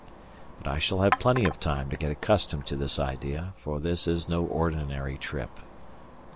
But I shall have plenty of time to get accustomed to this idea, for this is no ordinary trip.